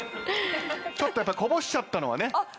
ちょっとやっぱこぼしちゃったのはね